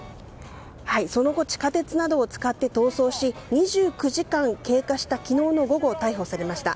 その後地下鉄などを使って逃走し２９時間経過した昨日の午後、逮捕されました。